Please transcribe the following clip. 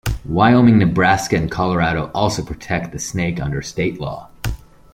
Wyoming, Nebraska, and Colorado also protect the snake under state law.